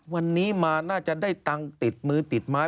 วันนี้มาน่าจะได้ตังค์ติดมือติดไม้